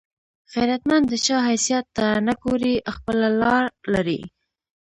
غیرتمند د چا حیثیت ته نه ګوري، خپله لار لري